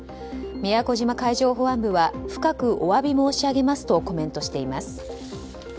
宮古島海上保安部は深くお詫び申し上げますとコメントしています。